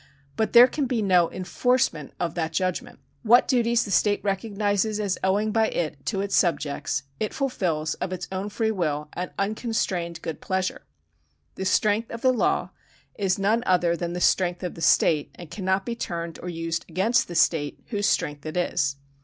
But there can be no enforcement of that judgment. What duties the state recog nises as owing by it to its subjects, it fulfils of its own free will and unconstrained good pleasure. The strength of the law is none other than the strength of the state, and cannot be turned or used against the state whose strength it is.